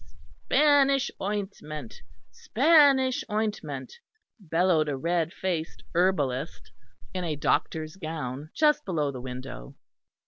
"Spanish ointment, Spanish ointment!" bellowed a red faced herbalist in a doctor's gown, just below the window.